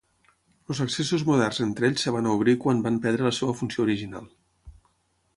Els accessos moderns entre ells es van obrir quan van perdre la seua funció original.